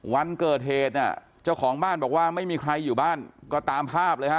วันเกิดเหตุเนี่ยเจ้าของบ้านบอกว่าไม่มีใครอยู่บ้านก็ตามภาพเลยฮะ